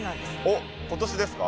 おっ今年ですか！